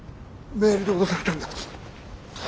メールで脅されたんだ。